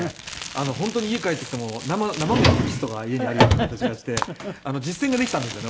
本当に家帰ってきても生身のテキストが家にあるような形がして実践ができたんですよね